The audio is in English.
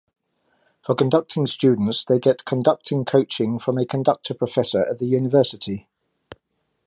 For conducting students, they get conducting coaching from a conductor-professor at the university.